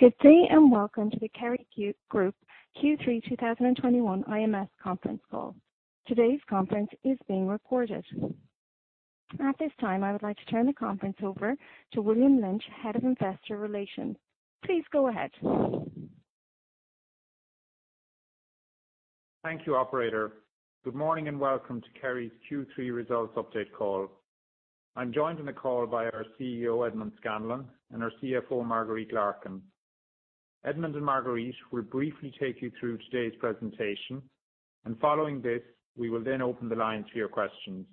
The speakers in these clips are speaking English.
Good day and welcome to the Kerry Group Q3 2021 IMS conference call. Today's conference is being recorded. At this time, I would like to turn the conference over to William Lynch, Head of Investor Relations. Please go ahead. Thank you, operator. Good morning and welcome to Kerry's Q3 results update call. I'm joined on the call by our CEO, Edmond Scanlon, and our CFO, Marguerite Larkin. Edmond and Marguerite will briefly take you through today's presentation, and following this, we will then open the lines to your questions.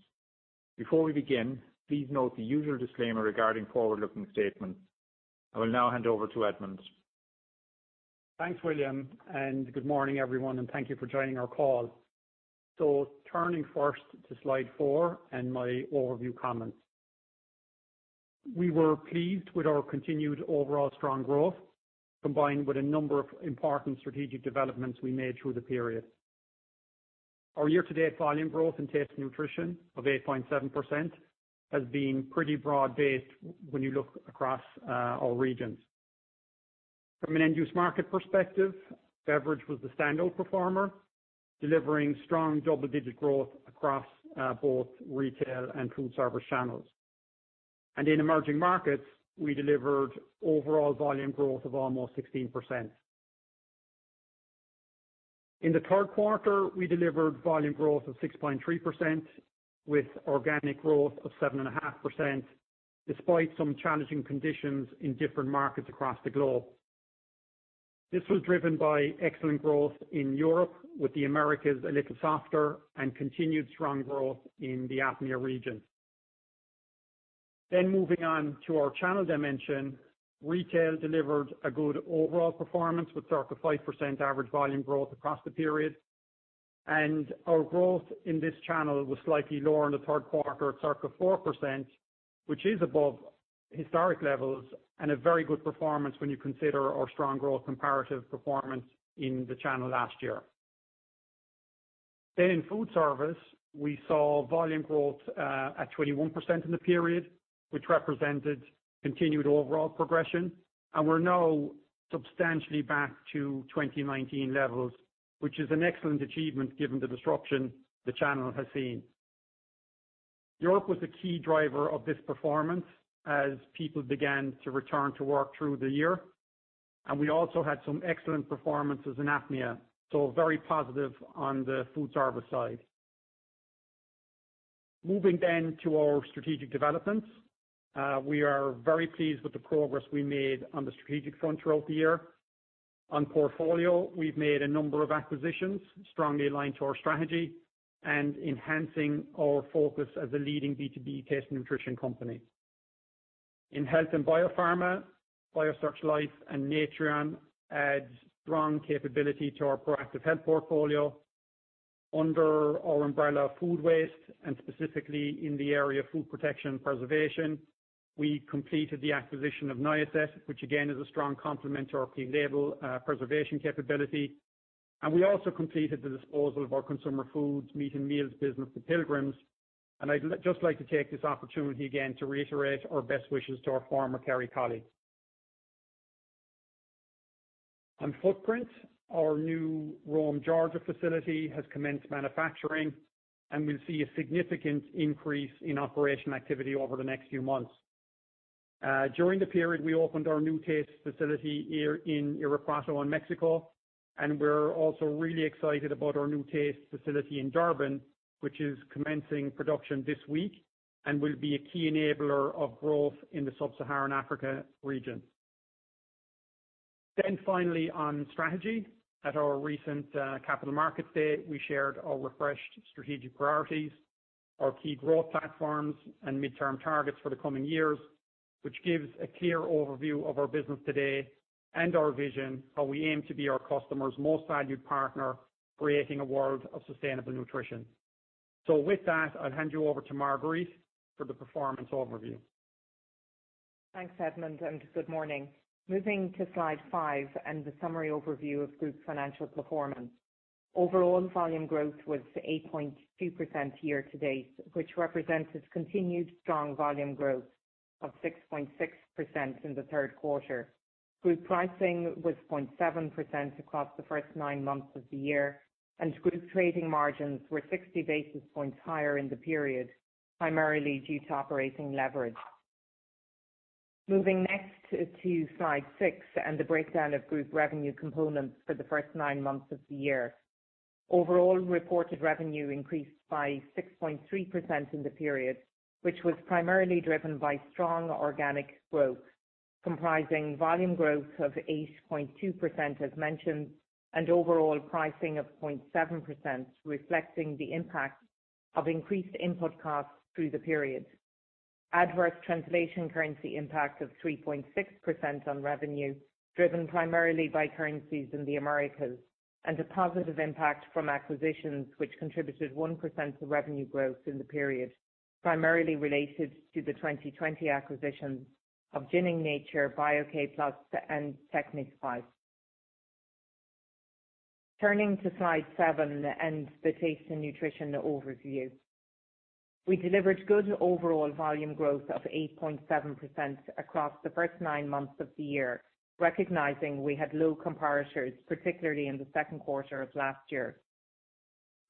Before we begin, please note the usual disclaimer regarding forward-looking statements. I will now hand over to Edmond. Thanks, William, and good morning everyone, and thank you for joining our call. Turning first to slide four and my overview comments. We were pleased with our continued overall strong growth, combined with a number of important strategic developments we made through the period. Our year-to-date volume growth in Taste and Nutrition of 8.7% has been pretty broad-based when you look across all regions. From an end-use market perspective, beverage was the standout performer, delivering strong double-digit growth across both retail and food service channels. In emerging markets, we delivered overall volume growth of almost 16%. In the third quarter, we delivered volume growth of 6.3% with organic growth of 7.5%, despite some challenging conditions in different markets across the globe. This was driven by excellent growth in Europe, with the Americas a little softer and continued strong growth in the APMEA region. Moving on to our channel dimension. Retail delivered a good overall performance with circa 5% average volume growth across the period, and our growth in this channel was slightly lower in the third quarter at circa 4%, which is above historic levels and a very good performance when you consider our strong growth comparative performance in the channel last year. Food service, we saw volume growth at 21% in the period, which represented continued overall progression, and we're now substantially back to 2019 levels, which is an excellent achievement given the disruption the channel has seen. Europe was the key driver of this performance as people began to return to work through the year, and we also had some excellent performances in APMEA. Very positive on the food service side. Moving then to our strategic developments. We are very pleased with the progress we made on the strategic front throughout the year. On portfolio, we've made a number of acquisitions strongly aligned to our strategy and enhancing our focus as a leading B2B taste and nutrition company. In health and biopharma, Biosearch Life and Natreon add strong capability to our proactive health portfolio. Under our umbrella of food waste and specifically in the area of food protection and preservation, we completed the acquisition of Niacet, which again is a strong complement to our clean label preservation capability. We also completed the disposal of our Consumer Foods Meats and Meals business to Pilgrim's. I'd just like to take this opportunity again to reiterate our best wishes to our former Kerry colleagues. On footprint, our new Rome, Georgia facility has commenced manufacturing, and we'll see a significant increase in operational activity over the next few months. During the period, we opened our new taste facility here in Irapuato in Mexico, and we're also really excited about our new taste facility in Durban, which is commencing production this week and will be a key enabler of growth in the Sub-Saharan Africa region. Finally, on strategy. At our recent capital markets day, we shared our refreshed strategic priorities, our key growth platforms and midterm targets for the coming years, which gives a clear overview of our business today and our vision, how we aim to be our customers' most valued partner, creating a world of sustainable nutrition. With that, I'll hand you over to Marguerite for the performance overview. Thanks, Edmond, and good morning. Moving to slide five and the summary overview of group financial performance. Overall volume growth was 8.2% year to date, which represents continued strong volume growth of 6.6% in the third quarter. Group pricing was 0.7% across the first nine months of the year, and group trading margins were 60 basis points higher in the period, primarily due to operating leverage. Moving next to slide six and the breakdown of group revenue components for the first nine months of the year. Overall reported revenue increased by 6.3% in the period, which was primarily driven by strong organic growth, comprising volume growth of 8.2%, as mentioned, and overall pricing of 0.7%, reflecting the impact of increased input costs through the period. Adverse translation currency impact of 3.6% on revenue, driven primarily by currencies in the Americas, and a positive impact from acquisitions which contributed 1% to revenue growth in the period, primarily related to the 2020 acquisition of Jining Nature, Bio-K Plus, and Tecnispice. Turning to slide seven and the Taste and Nutrition overview. We delivered good overall volume growth of 8.7% across the first nine months of the year, recognizing we had low comparators, particularly in the second quarter of last year.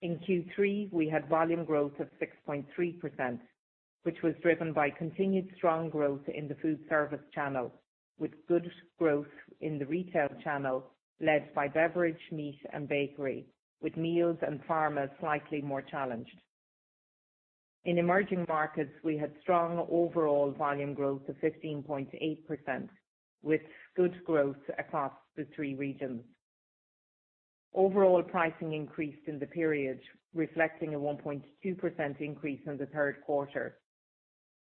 In Q3, we had volume growth of 6.3%, which was driven by continued strong growth in the food service channel, with good growth in the retail channel led by beverage, meat and bakery, with meals and pharma slightly more challenged. In emerging markets, we had strong overall volume growth of 15.8%, with good growth across the three regions. Overall pricing increased in the period, reflecting a 1.2% increase in the third quarter.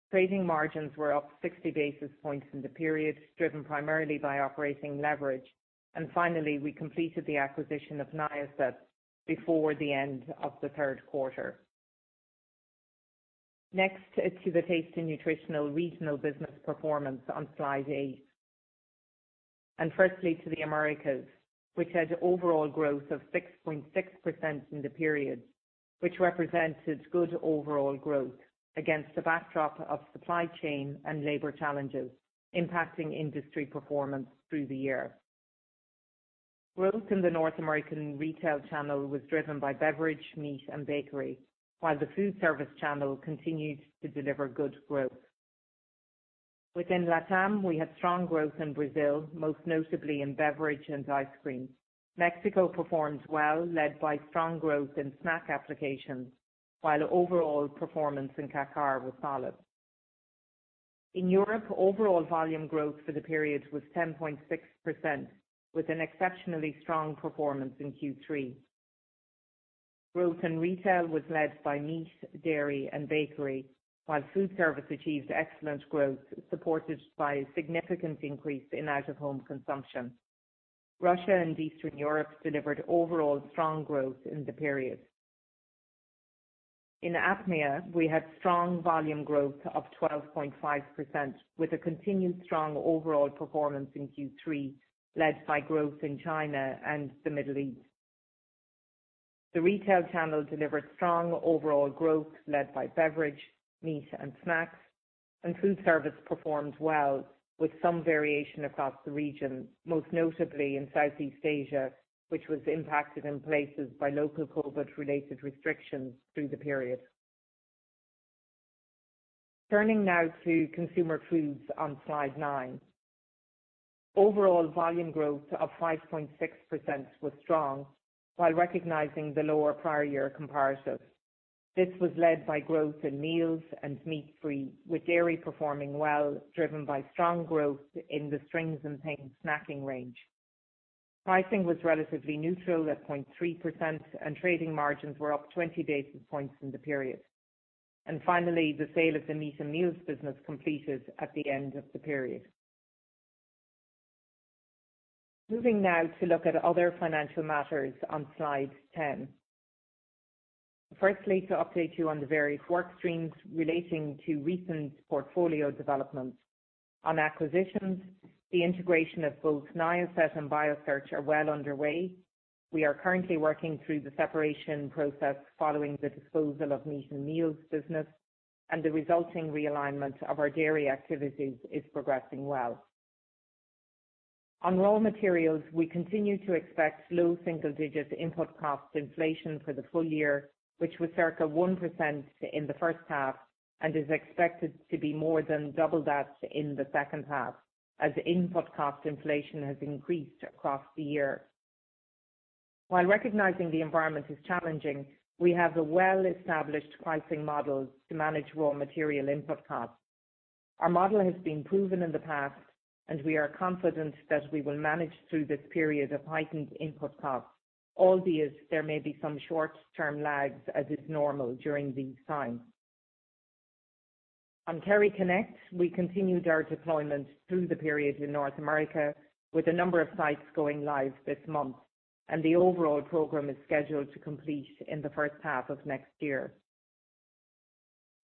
Trading margins were up 60 basis points in the period, driven primarily by operating leverage. Finally, we completed the acquisition of Niacet before the end of the third quarter. Next to the Taste & Nutrition regional business performance on slide eight. Firstly to the Americas, which had overall growth of 6.6% in the period, which represents its good overall growth against the backdrop of supply chain and labor challenges impacting industry performance through the year. Growth in the North American retail channel was driven by beverage, meat and bakery, while the food service channel continued to deliver good growth. Within LATAM, we had strong growth in Brazil, most notably in beverage and ice cream. Mexico performed well, led by strong growth in snack applications, while overall performance in CACAR was solid. In Europe, overall volume growth for the period was 10.6%, with an exceptionally strong performance in Q3. Growth in retail was led by meat, dairy and bakery, while food service achieved excellent growth, supported by a significant increase in out-of-home consumption. Russia and Eastern Europe delivered overall strong growth in the period. In APMEA, we had strong volume growth of 12.5%, with a continued strong overall performance in Q3, led by growth in China and the Middle East. The retail channel delivered strong overall growth led by beverage, meat and snacks, and food service performed well with some variation across the region, most notably in Southeast Asia, which was impacted in places by local COVID-related restrictions through the period. Turning now to Consumer Foods on slide nine. Overall volume growth of 5.6% was strong while recognizing the lower prior year comparatives. This was led by growth in meals and meat-free, with dairy performing well, driven by strong growth in the Strings & Things snacking range. Pricing was relatively neutral at 0.3%, and trading margins were up 20 basis points in the period. Finally, the sale of the Meats and Meals business completed at the end of the period. Moving now to look at other financial matters on slide 10. Firstly, to update you on the various work streams relating to recent portfolio developments. On acquisitions, the integration of both Niacet and Biosearch are well underway. We are currently working through the separation process following the disposal of Meats and Meals business, and the resulting realignment of our dairy activities is progressing well. On raw materials, we continue to expect low single-digit input cost inflation for the full year, which was circa 1% in the first half and is expected to be more than double that in the second half as input cost inflation has increased across the year. While recognizing the environment is challenging, we have a well-established pricing model to manage raw material input costs. Our model has been proven in the past, and we are confident that we will manage through this period of heightened input costs, albeit there may be some short-term lags as is normal during these times. On KerryConnect, we continued our deployment through the period in North America with a number of sites going live this month, and the overall program is scheduled to complete in the first half of next year.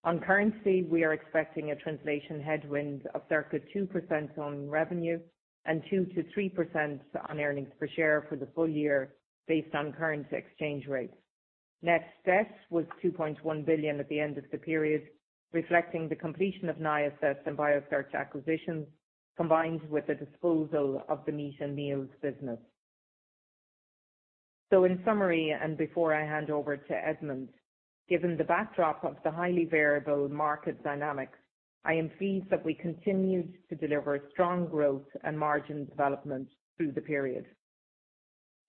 On currency, we are expecting a translation headwind of circa 2% on revenue and 2%-3% on earnings per share for the full year based on current exchange rates. Net debt was 2.1 billion at the end of the period, reflecting the completion of Niacet and Biosearch acquisitions, combined with the disposal of the Meats and Meals business. in summary, and before I hand over to Edmond, given the backdrop of the highly variable market dynamics, I am pleased that we continued to deliver strong growth and margin development through the period.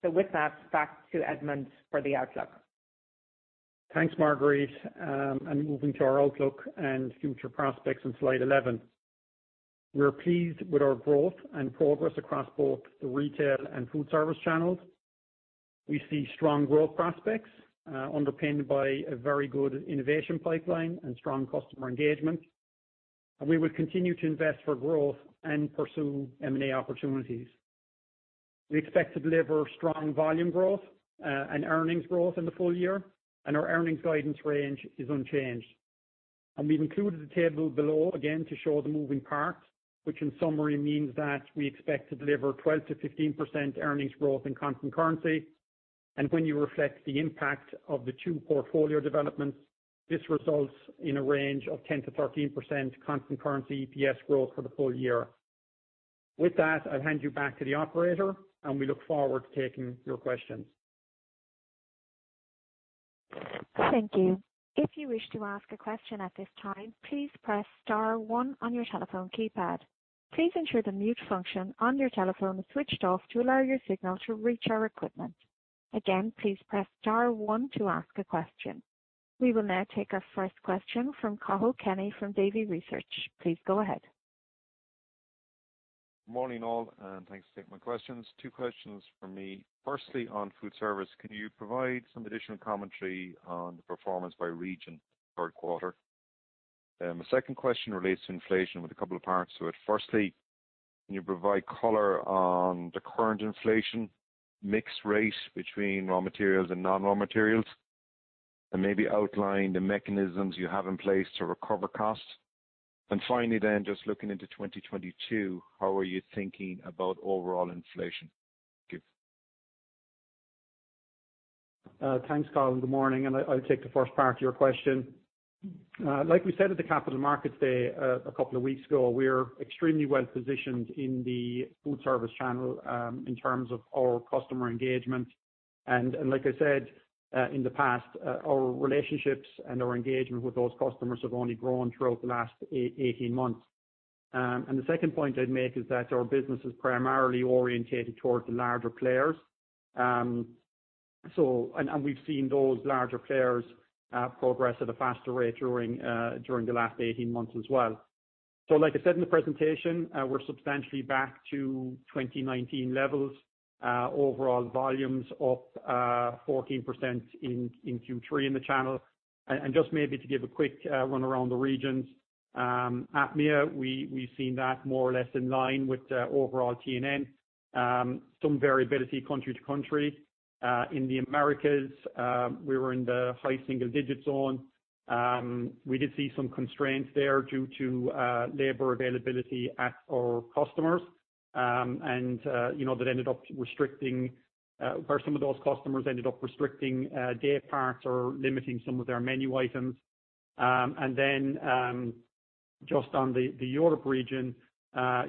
with that, back to Edmond for the outlook. Thanks, Marguerite. Moving to our outlook and future prospects on slide 11. We're pleased with our growth and progress across both the retail and food service channels. We see strong growth prospects, underpinned by a very good innovation pipeline and strong customer engagement. We will continue to invest for growth and pursue M&A opportunities. We expect to deliver strong volume growth, and earnings growth in the full year, and our earnings guidance range is unchanged. We've included the table below again to show the moving parts, which in summary means that we expect to deliver 12%-15% earnings growth in constant currency. When you reflect the impact of the two portfolio developments, this results in a range of 10%-13% constant currency EPS growth for the full year. With that, I'll hand you back to the operator, and we look forward to taking your questions. Thank you. If you wish to ask a question at this time, please press star one on your telephone keypad. Please ensure the mute function on your telephone is switched off to allow your signal to reach our equipment. Again, please press star one to ask a question. We will now take our first question from Cathal Kenny from Davy Research. Please go ahead. Morning all, and thanks for taking my questions. Two questions from me. Firstly, on food service, can you provide some additional commentary on the performance by region third quarter? The second question relates to inflation with a couple of parts to it. Firstly, can you provide color on the current inflation mix rate between raw materials and non-raw materials, and maybe outline the mechanisms you have in place to recover costs. Finally then just looking into 2022, how are you thinking about overall inflation? Thank you. Thanks Cathal, good morning, and I'll take the first part of your question. Like we said at the Capital Markets Day a couple of weeks ago, we are extremely well-positioned in the food service channel in terms of our customer engagement. Like I said in the past, our relationships and our engagement with those customers have only grown throughout the last 18 months. The second point I'd make is that our business is primarily orientated towards the larger players. We've seen those larger players progress at a faster rate during the last 18 months as well. Like I said in the presentation, we're substantially back to 2019 levels. Overall volumes up 14% in Q3 in the channel. Just maybe to give a quick run around the regions. APMEA, we've seen that more or less in line with the overall TNN. Some variability country to country. In the Americas, we were in the high single digits zone. We did see some constraints there due to labor availability at our customers. You know, that ended up restricting where some of those customers ended up restricting day parts or limiting some of their menu items. Just on the Europe region,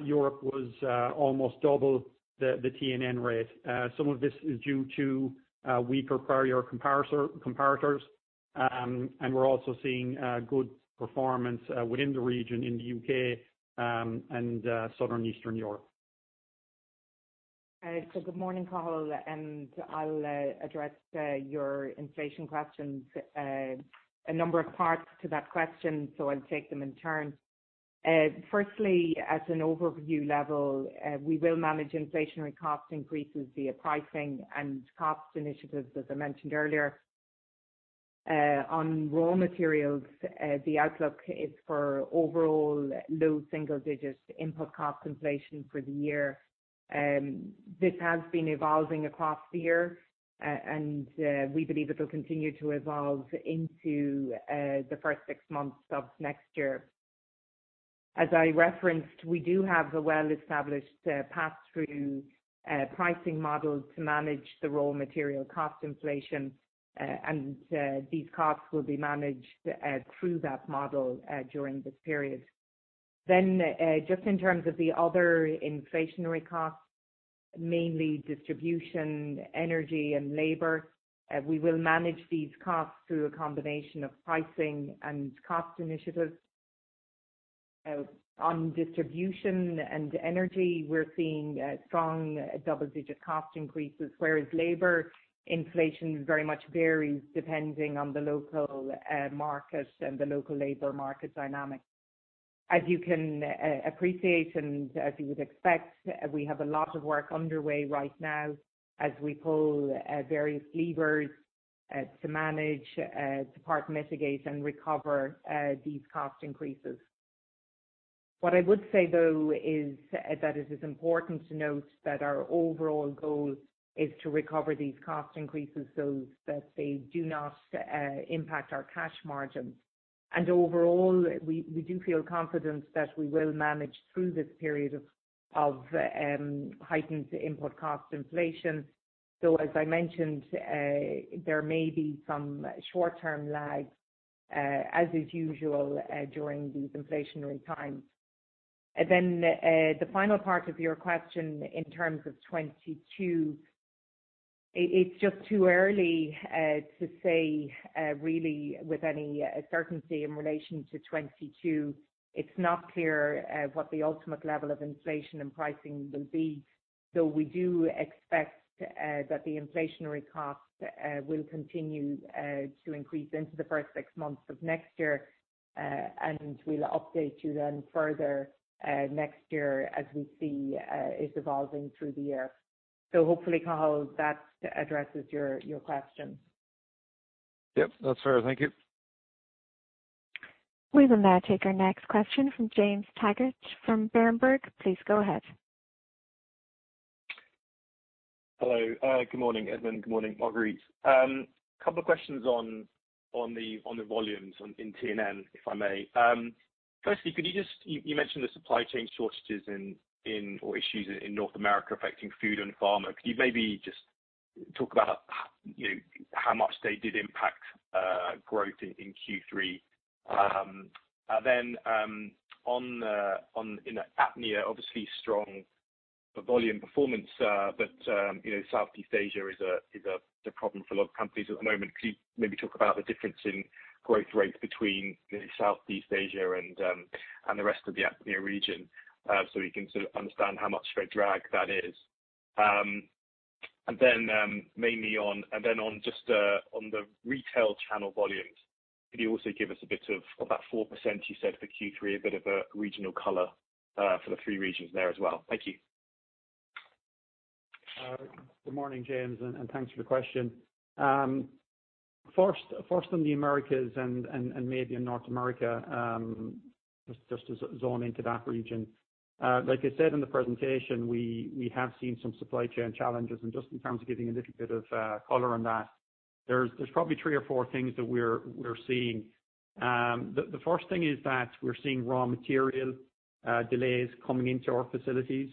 Europe was almost double the TNN rate. Some of this is due to weaker prior comparators. We're also seeing good performance within the region in the U.K. and Southern and Eastern Europe. Good morning, Cathal, and I'll address your inflation questions. A number of parts to that question, so I'll take them in turn. Firstly, as an overview level, we will manage inflationary cost increases via pricing and cost initiatives, as I mentioned earlier. On raw materials, the outlook is for overall low single digits input cost inflation for the year. This has been evolving across the year. We believe it will continue to evolve into the first six months of next year. As I referenced, we do have a well-established passthrough pricing model to manage the raw material cost inflation. These costs will be managed through that model during this period. Just in terms of the other inflationary costs, mainly distribution, energy and labor, we will manage these costs through a combination of pricing and cost initiatives. On distribution and energy, we're seeing strong double-digit cost increases, whereas labor inflation very much varies depending on the local market and the local labor market dynamics. As you can appreciate and as you would expect, we have a lot of work underway right now as we pull various levers to manage, to partially mitigate and recover these cost increases. What I would say though is that it is important to note that our overall goal is to recover these cost increases so that they do not impact our cash margins. Overall, we do feel confident that we will manage through this period of heightened input cost inflation. As I mentioned, there may be some short-term lags, as is usual, during these inflationary times. The final part of your question in terms of 2022, it's just too early to say really with any certainty in relation to 2022. It's not clear what the ultimate level of inflation and pricing will be. We do expect that the inflationary cost will continue to increase into the first six months of next year. We'll update you then further next year as we see it evolving through the year. Hopefully, Cathal, that addresses your question. Yep, that's fair. Thank you. We will now take our next question from James Targett from Berenberg. Please go ahead. Hello. Good morning, Edmond. Good morning, Marguerite. Couple of questions on the volumes in TNN, if I may. Firstly, could you just talk about how much they did impact growth in Q3? Then, on in the APMEA, obviously strong volume performance, but Southeast Asia is a problem for a lot of companies at the moment. Could you maybe talk about the difference in growth rates between Southeast Asia and the rest of the APMEA region, so we can sort of understand how much of a drag that is. And then, mainly on... On the retail channel volumes, could you also give us a bit more about 4% you said for Q3, a bit of a regional color for the three regions there as well? Thank you. Good morning, James, and thanks for the question. First on the Americas and maybe in North America, just to zone in to that region. Like I said in the presentation, we have seen some supply chain challenges and just in terms of giving a little bit of color on that, there's probably three or four things that we're seeing. The first thing is that we're seeing raw material delays coming into our facilities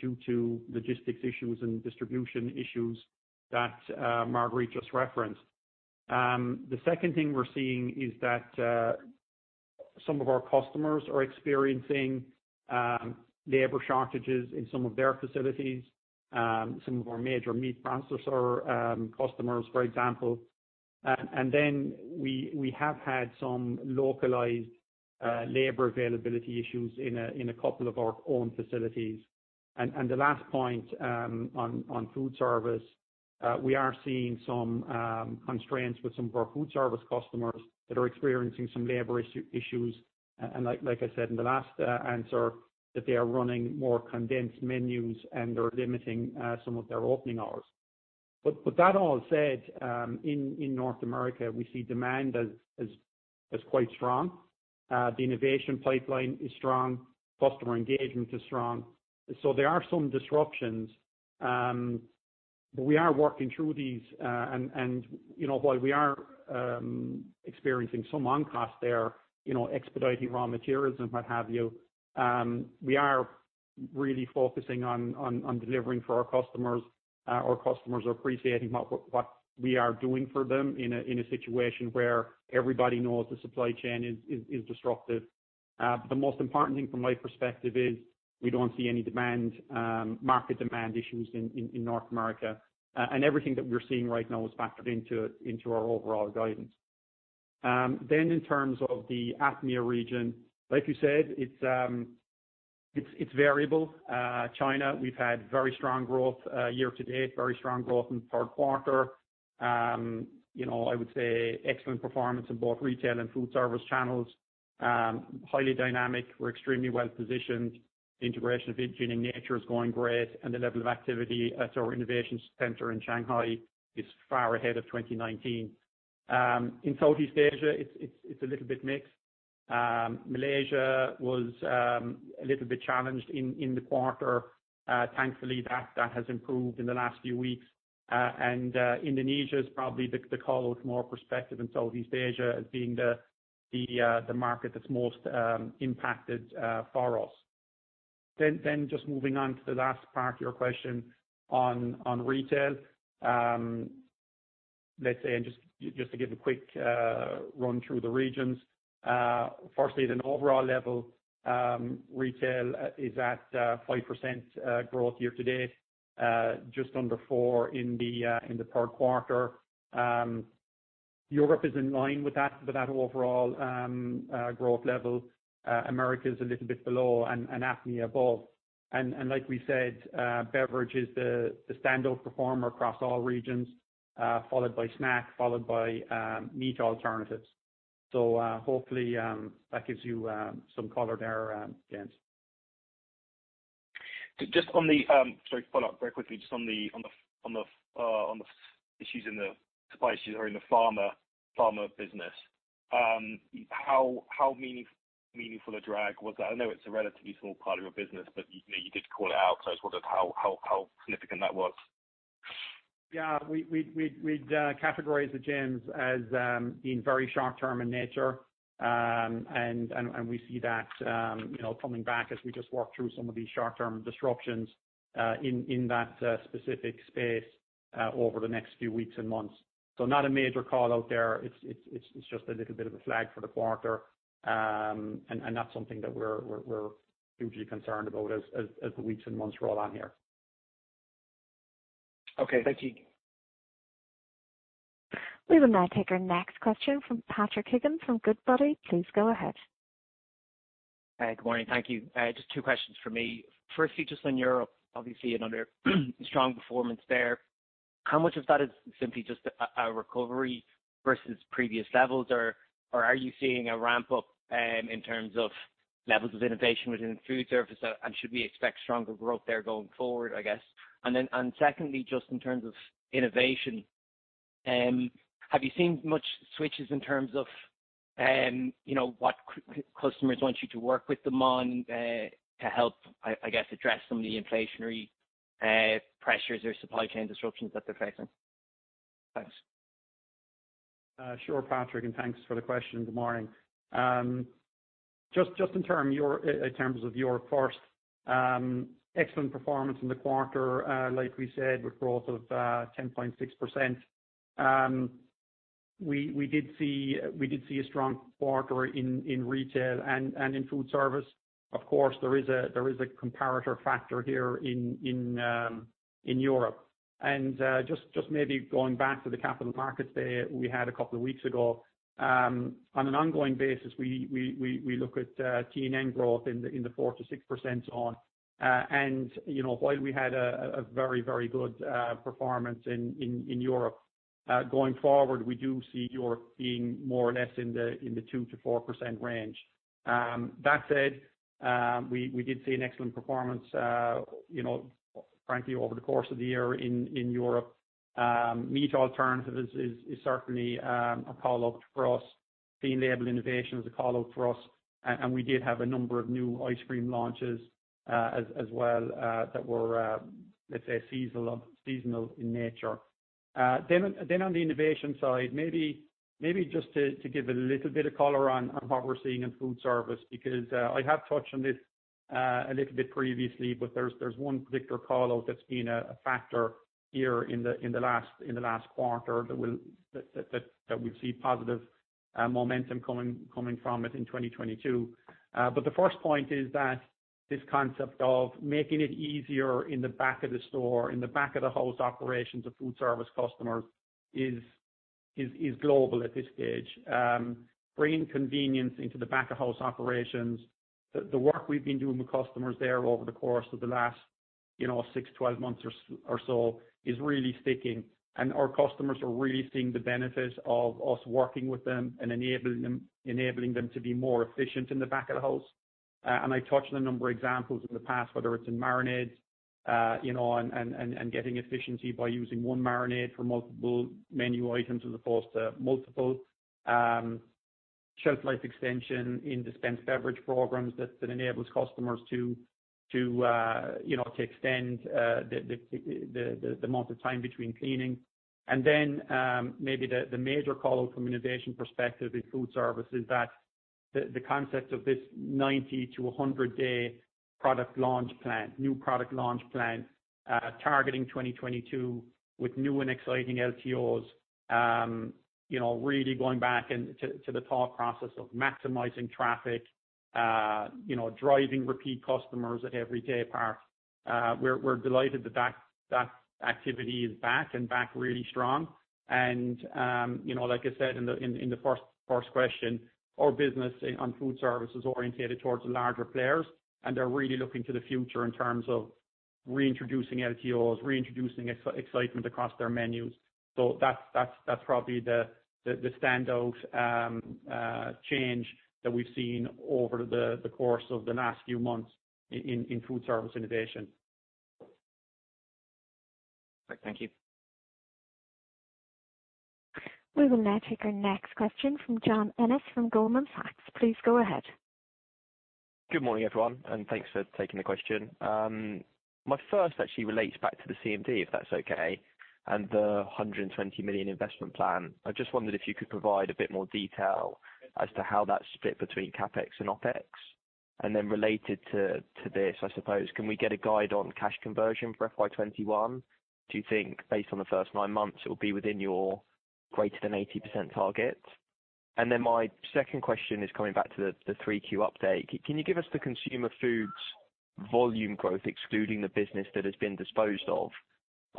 due to logistics issues and distribution issues that Marguerite just referenced. The second thing we're seeing is that some of our customers are experiencing labor shortages in some of their facilities, some of our major meat processor customers, for example. We have had some localized labor availability issues in a couple of our own facilities. The last point on food service, we are seeing some constraints with some of our food service customers that are experiencing some labor issues. Like I said in the last answer, they are running more condensed menus and they're limiting some of their opening hours. That all said, in North America, we see demand as quite strong. The innovation pipeline is strong, customer engagement is strong. There are some disruptions, but we are working through these. You know, while we are experiencing some on-cost there, you know, expediting raw materials and what have you, we are really focusing on delivering for our customers. Our customers are appreciating what we are doing for them in a situation where everybody knows the supply chain is disruptive. The most important thing from my perspective is we don't see any demand market demand issues in North America. Everything that we're seeing right now is factored into our overall guidance. In terms of the APMEA region, like you said, it's variable. China, we've had very strong growth year to date, very strong growth in third quarter. You know, I would say excellent performance in both retail and food service channels. Highly dynamic. We're extremely well positioned. Integration of Jining Nature is going great, and the level of activity at our innovation center in Shanghai is far ahead of 2019. In Southeast Asia, it's a little bit mixed. Malaysia was a little bit challenged in the quarter. Thankfully, that has improved in the last few weeks. Indonesia is probably the call with more perspective in Southeast Asia as being the market that's most impacted for us. Just moving on to the last part of your question on retail. Let's say, and just to give a quick run through the regions. Firstly, at an overall level, retail is at 5% growth year to date, just under 4% in the third quarter. Europe is in line with that overall growth level. America is a little bit below and APMEA above. Like we said, beverage is the standout performer across all regions, followed by snack, followed by meat alternatives. Hopefully, that gives you some color there, James. Sorry, to follow up very quickly, just on the supply issues or in the pharma business, how meaningful a drag was that? I know it's a relatively small part of your business, but, you know, you did call it out, so I just wondered how significant that was. Yeah. We'd categorize it, James, as being very short term in nature. We see that, you know, coming back as we just walk through some of these short term disruptions in that specific space over the next few weeks and months. Not a major call out there. It's just a little bit of a flag for the quarter. That's something that we're hugely concerned about as the weeks and months roll on here. Okay. Thank you. We will now take our next question from Patrick Higgins from Goodbody. Please go ahead. Good morning. Thank you. Just two questions from me. Firstly, just on Europe, obviously another strong performance there. How much of that is simply just a recovery versus previous levels? Or are you seeing a ramp up in terms of levels of innovation within food service? Should we expect stronger growth there going forward, I guess? Secondly, just in terms of innovation. Have you seen much switches in terms of, you know, what customers want you to work with them on, to help, I guess, address some of the inflationary pressures or supply chain disruptions that they're facing? Thanks. Sure, Patrick, and thanks for the question. Good morning. Just in terms of your first, excellent performance in the quarter, like we said, with growth of 10.6%. We did see a strong quarter in retail and in food service. Of course, there is a comparator factor here in Europe. Just maybe going back to the Capital Markets Day we had a couple of weeks ago. On an ongoing basis, we look at TNN growth in the 4%-6%, and you know, while we had a very good performance in Europe, going forward, we do see Europe being more or less in the 2%-4% range. That said, we did see an excellent performance, you know, frankly, over the course of the year in Europe. Meat alternatives is certainly a call out for us. Clean label innovation is a call out for us, and we did have a number of new ice cream launches, as well, that were, let's say, seasonal in nature. On the innovation side, maybe just to give a little bit of color on what we're seeing in food service, because I have touched on this a little bit previously, but there's one particular call-out that's been a factor here in the last quarter that we'll see positive momentum coming from it in 2022. The first point is that this concept of making it easier in the back of the store, in the back of the house operations of food service customers is global at this stage, bringing convenience into the back of house operations. The work we've been doing with customers there over the course of the last, you know, six to 12 months or so is really sticking. Our customers are really seeing the benefits of us working with them and enabling them to be more efficient in the back of the house. I touched on a number of examples in the past, whether it's in marinades, you know, and getting efficiency by using one marinade for multiple menu items as opposed to multiple. Shelf life extension in dispense beverage programs that enables customers to, you know, to extend the amount of time between cleaning. Maybe the major call out from innovation perspective in food service is that the concept of this 90-100 day product launch plan, new product launch plan, targeting 2022 with new and exciting LTOs, you know, really going back to the thought process of maximizing traffic, you know, driving repeat customers at every day apart. We're delighted that that activity is back really strong. You know, like I said in the first question, our business in food service is oriented towards the larger players, and they're really looking to the future in terms of reintroducing LTOs, reintroducing excitement across their menus. That's probably the standout change that we've seen over the course of the last few months in food service innovation. Thank you. We will now take our next question from John Ennis from Goldman Sachs. Please go ahead. Good morning, everyone, and thanks for taking the question. My first actually relates back to the CMD, if that's okay, and the 100 million investment plan. I just wondered if you could provide a bit more detail as to how that's split between CapEx and OpEx. Related to this, I suppose, can we get a guide on cash conversion for FY 2021? Do you think based on the first nine months it will be within your greater than 80% target? My second question is coming back to the 3Q update. Can you give us the Consumer Foods volume growth, excluding the business that has been disposed of,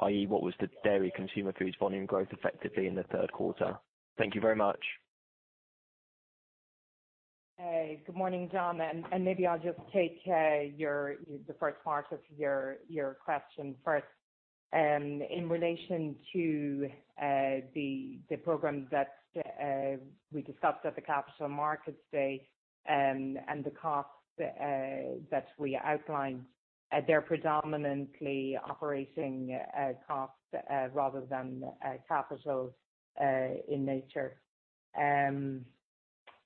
i.e., what was the dairy Consumer Foods volume growth effectively in the third quarter? Thank you very much. Hey, good morning, John Ennis. Maybe I'll just take the first part of your question first. In relation to the programs that we discussed at the Capital Markets Day and the costs that we outlined, they're predominantly operating costs rather than capital in nature.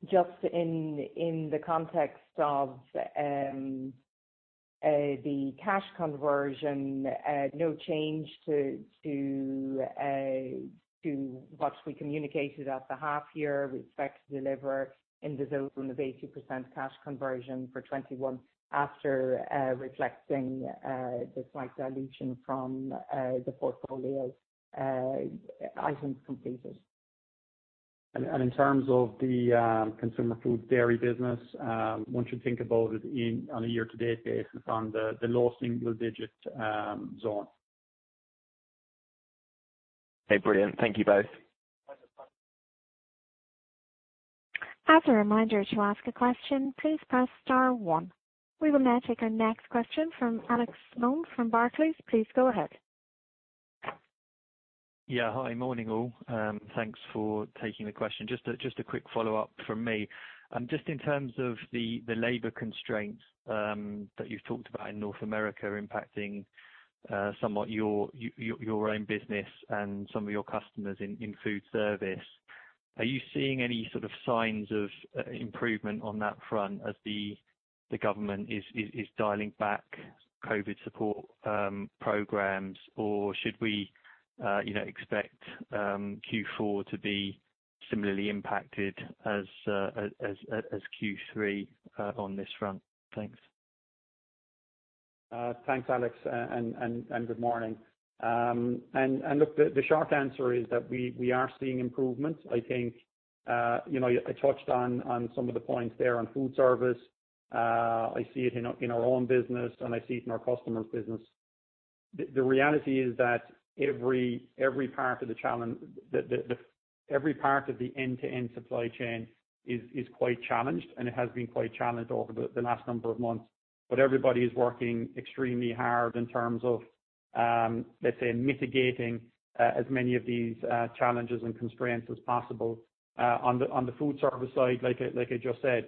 Just in the context of the cash conversion, no change to what we communicated at the half year. We expect to deliver in the zone of 80% cash conversion for 2021 after reflecting the slight dilution from the portfolio items completed. In terms of the Consumer Foods dairy business, once you think about it on a year-to-date basis, the low single-digit zone. Okay, brilliant. Thank you both. As a reminder, to ask a question, please press star one. We will now take our next question from Alex Sloane from Barclays. Please go ahead. Yeah. Hi. Morning, all. Thanks for taking the question. Just a quick follow-up from me. Just in terms of the labor constraints that you've talked about in North America impacting somewhat your own business and some of your customers in food service. Are you seeing any sort of signs of improvement on that front as the government is dialing back COVID support programs? Or should we, you know, expect Q4 to be similarly impacted as Q3 on this front? Thanks. Thanks, Alex. Good morning. Look, the short answer is that we are seeing improvement. I think, you know, I touched on some of the points there on food service. I see it in our own business, and I see it in our customers' business. The reality is that every part of the end-to-end supply chain is quite challenged, and it has been quite challenged over the last number of months. Everybody is working extremely hard in terms of, let's say, mitigating as many of these challenges and constraints as possible. On the food service side, like I just said,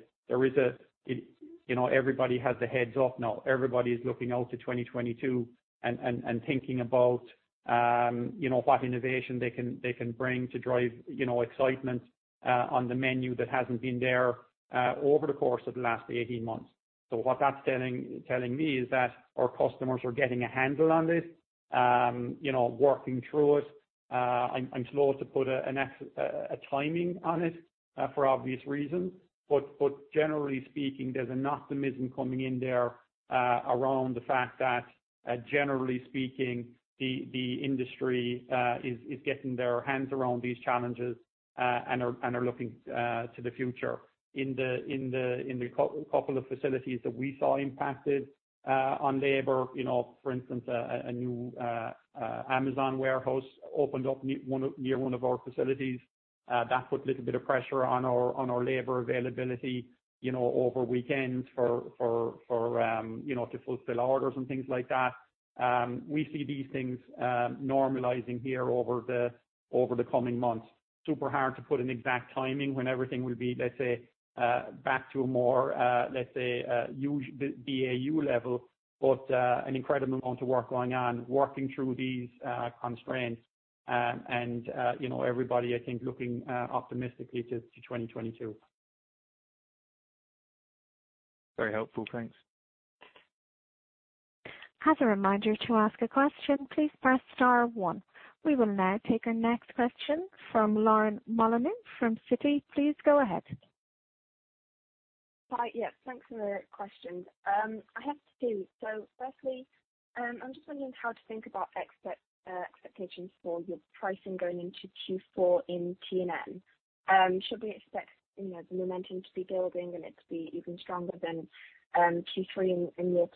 you know, everybody has their heads up now. Everybody is looking out to 2022 and thinking about, you know, what innovation they can bring to drive, you know, excitement on the menu that hasn't been there over the course of the last 18 months. What that's telling me is that our customers are getting a handle on this, you know, working through it. I'm slow to put a timing on it for obvious reasons. Generally speaking, there's an optimism coming in there around the fact that generally speaking, the industry is getting their hands around these challenges and are looking to the future. In the couple of facilities that we saw impacted on labor, you know, for instance, a new Amazon warehouse opened up near one of our facilities. That put a little bit of pressure on our labor availability, you know, over weekends for you know, to fulfill orders and things like that. We see these things normalizing here over the coming months. Super hard to put an exact timing when everything will be, let's say, back to a more, let's say, BAU level. But an incredible amount of work going on, working through these constraints. And you know, everybody, I think, looking optimistically to 2022. Very helpful. Thanks. We will now take our next question from Lauren Molyneux from Citi. Please go ahead. Hi. Yeah, thanks for the questions. I have two. Firstly, I'm just wondering how to think about expectations for your pricing going into Q4 in T&N. Should we expect, you know, the momentum to be building and it to be even stronger than Q3 in year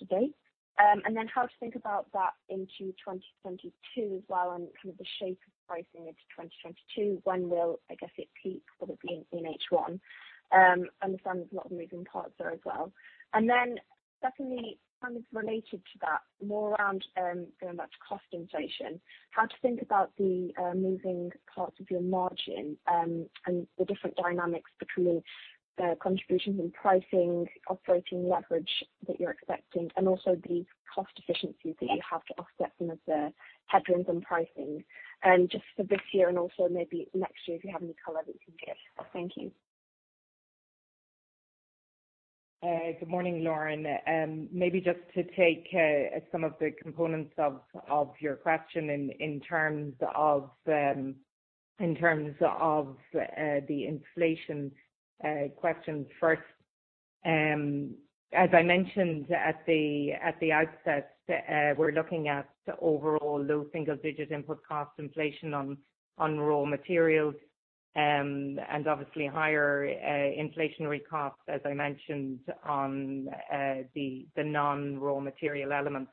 to date? How to think about that into 2022 as well, and kind of the shape of pricing into 2022. When will, I guess, it peak? Will it be in H1? Understand there's a lot of moving parts there as well. Secondly, kind of related to that, more around, you know, that's cost inflation. How to think about the moving parts of your margin, and the different dynamics between contributions in pricing, operating leverage that you're expecting, and also the cost efficiencies that you have to offset some of the headwinds in pricing. Just for this year and also maybe next year, if you have any color that you can give. Thank you. Good morning, Lauren. Maybe just to take some of the components of your question in terms of the inflation question first. As I mentioned at the outset, we're looking at overall low single-digit input cost inflation on raw materials, and obviously higher inflationary costs, as I mentioned, on the non-raw material elements.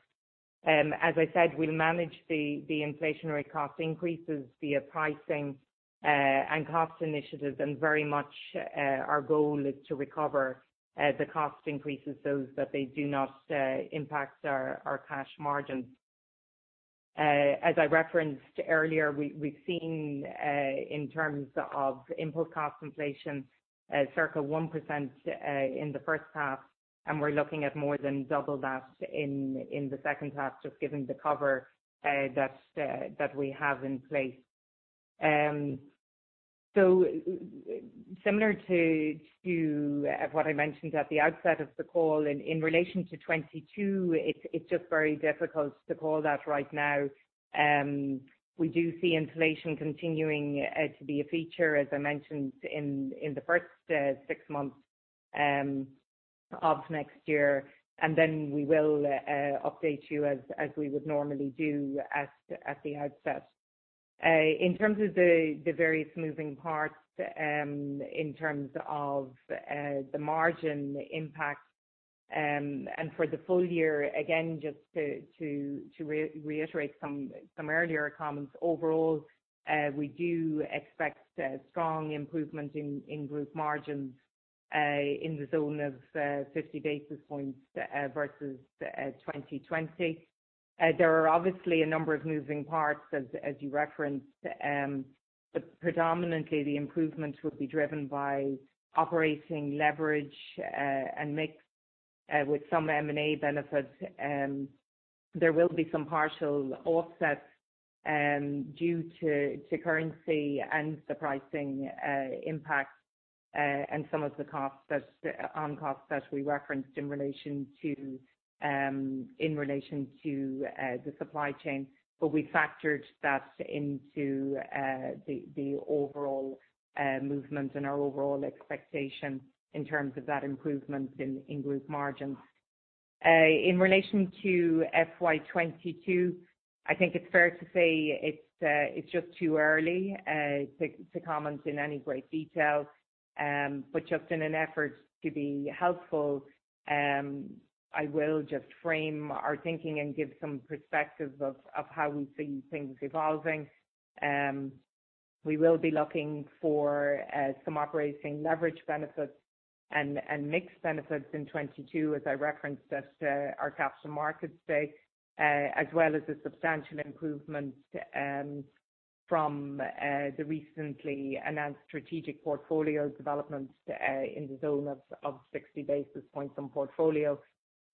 As I said, we'll manage the inflationary cost increases via pricing and cost initiatives. Very much, our goal is to recover the cost increases so that they do not impact our cash margins. As I referenced earlier, we've seen in terms of input cost inflation circa 1% in the first half, and we're looking at more than double that in the second half, just given the coverage that we have in place. So similar to what I mentioned at the outset of the call, in relation to 2022, it's just very difficult to call that right now. We do see inflation continuing to be a feature, as I mentioned, in the first six months of next year. Then we will update you as we would normally do at the outset. In terms of the various moving parts in terms of the margin impact and for the full year, again, just to reiterate some earlier comments, overall, we do expect a strong improvement in group margins in the zone of 50 basis points versus 2020. There are obviously a number of moving parts as you referenced. Predominantly, the improvements will be driven by operating leverage and mix with some M&A benefits. There will be some partial offsets due to currency and the pricing impact and some of the costs that we referenced in relation to the supply chain. We factored that into the overall movement and our overall expectation in terms of that improvement in group margins. In relation to FY 2022, I think it's fair to say it's just too early to comment in any great detail. But just in an effort to be helpful, I will just frame our thinking and give some perspective of how we see things evolving. We will be looking for some operating leverage benefits and mix benefits in 2022, as I referenced at our Capital Markets Day, as well as the substantial improvements from the recently announced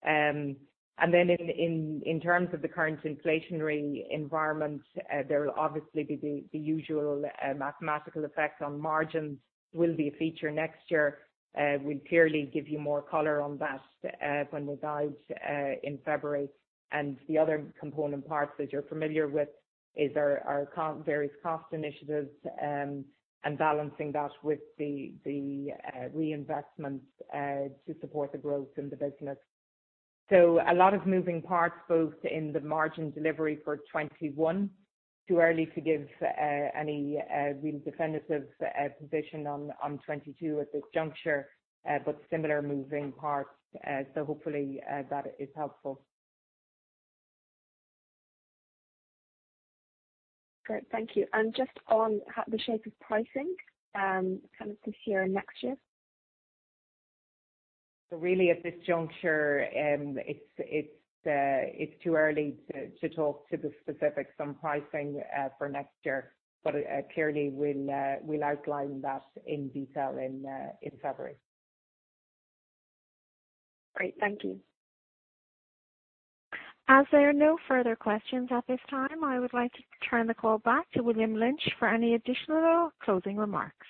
strategic portfolio developments in the zone of 60 basis points on portfolio. Then in terms of the current inflationary environment, there will obviously be the usual mathematical effects on margins will be a feature next year. We'll clearly give you more color on that when we guide in February. The other component parts that you're familiar with is our various cost initiatives and balancing that with the reinvestments to support the growth in the business. A lot of moving parts both in the margin delivery for 2021. Too early to give any real definitive position on 2022 at this juncture, but similar moving parts. Hopefully, that is helpful. Great. Thank you. Just on the shape of pricing, kind of this year and next year? Really at this juncture, it's too early to talk to the specifics on pricing for next year. Clearly we'll outline that in detail in February. Great, thank you. As there are no further questions at this time, I would like to turn the call back to William Lynch for any additional closing remarks.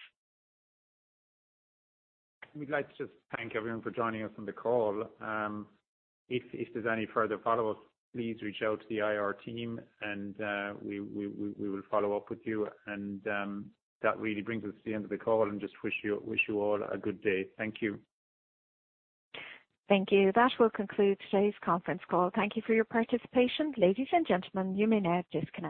We'd like to just thank everyone for joining us on the call. If there's any further follow-ups, please reach out to the IR team and we will follow up with you. That really brings us to the end of the call, and just wish you all a good day. Thank you. Thank you. That will conclude today's conference call. Thank you for your participation. Ladies and gentlemen, you may now disconnect.